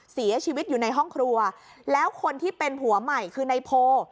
เสียชีวิตอยู่ในห้องครัวแล้วคนที่เป็นผัวใหม่คือในโพ